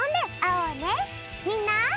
みんな！